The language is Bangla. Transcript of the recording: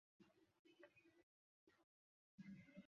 যদিও ব্যুরো একজন দক্ষ অফিসার হারিয়েছেন।